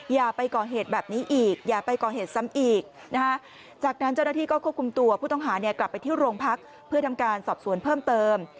อย่าไปก่อเหตุแบบนี้อีกอย่าไปก่อเหตุซ้ำอีกจากนั้นเจ้าหน้าที่ก็ควบคุมตัวผู้ต้องหากลับไปที่โรงพักเพื่อทำการสอบสวนเพิ่มเติม